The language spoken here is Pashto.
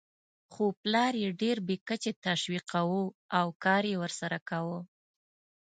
خو پلار یې ډېر بې کچې تشویقاوو او کار یې ورسره کاوه.